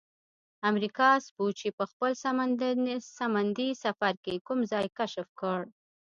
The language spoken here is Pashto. امریکا سپوچي په خپل سمندي سفر کې کوم ځای کشف کړ؟